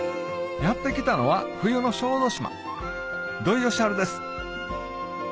やって来たのは冬の小豆島土井善晴です